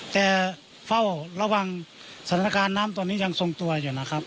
แต่เฝ้าระวังสถานการณ์น้ำตอนนี้ยังทรงตัวอยู่นะครับ